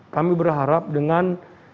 kami berharap dengan